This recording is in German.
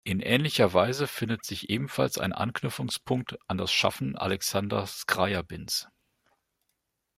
In ähnlicher Weise findet sich ebenfalls ein Anknüpfungspunkt an das Schaffen Alexander Skrjabins.